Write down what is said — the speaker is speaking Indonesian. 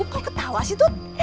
kok ketawa sih tut